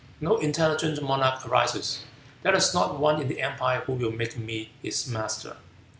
No intelligent monarch arises; there is not one in the empire who will make me his master.